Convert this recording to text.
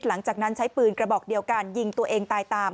หลังจากนั้นใช้ปืนกระบอกเดียวกันยิงตัวเองตายตาม